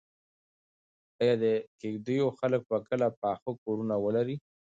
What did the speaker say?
ایا د کيږديو خلک به کله پاخه کورونه ولري؟